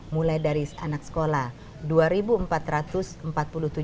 mulai dari anak sekolah